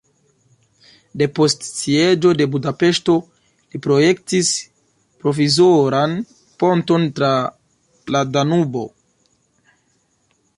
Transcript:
Depost sieĝo de Budapeŝto li projektis provizoran ponton tra la Danubo.